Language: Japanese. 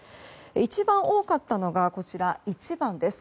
一番多かったのが１番です。